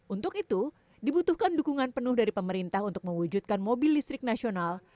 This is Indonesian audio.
untuk itu dibutuhkan dukungan penuh dari pemerintah untuk mewujudkan mobil listrik nasional